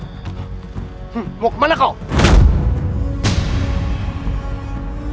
kau akan menang